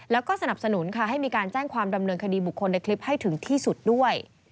แล้วก็สนับสนุนค่ะให้มีการแจ้งความดำเนินคดีบุคคลในคลิปให้ถึงที่สุดด้วย